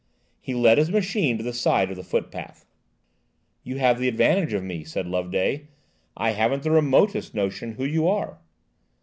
He led his machine to the side of the footpath. "You have the advantage of me," said Loveday; "I haven't the remotest notion who you are."